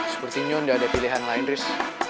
sepertinya tidak ada pilihan lain riz